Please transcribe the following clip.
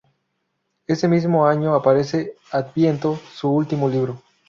Ese mismo año aparece "Adviento", su último libro.